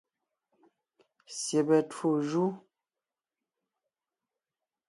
Syɛbɛ twó jú.